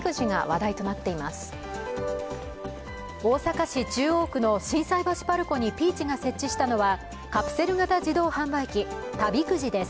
大阪市中央区の心斎橋ＰＡＲＣＯにピーチが設置したのは、カプセル型自動販売機、旅くじです。